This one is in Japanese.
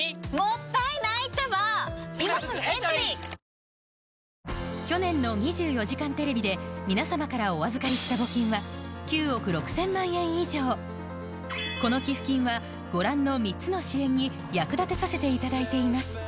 この後はそしてが挑む一大去年の『２４時間テレビ』で皆さまからお預かりした募金は９億６０００万円以上この寄付金はご覧の３つの支援に役立てさせていただいています